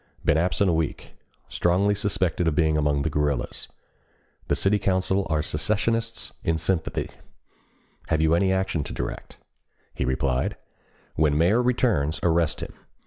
Been absent a week. Strongly suspected of being among the guerrillas. The city council are secessionists in sympathy. Have you any action to direct?" He replied: "When mayor returns arrest him.